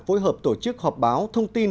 phối hợp tổ chức họp báo thông tin